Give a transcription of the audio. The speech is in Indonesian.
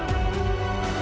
aku mau pergi